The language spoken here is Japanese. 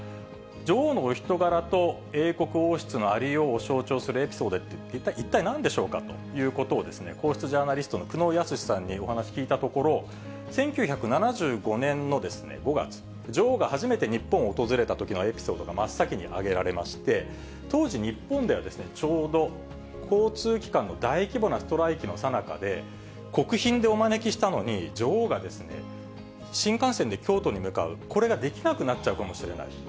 女王のお人柄と英国王室のありようを象徴するエピソードって一体なんでしょうかということを皇室ジャーナリストの久能康さんにお話を聞いたところ、１９７５年の５月、女王が初めて日本を訪れたときのエピソードが真っ先に挙げられまして、当時日本では、ちょうど交通機関の大規模なストライキのさなかで、国賓でお招きしたのに、女王が新幹線で京都に向かう、これができなくなっちゃうかもしれない。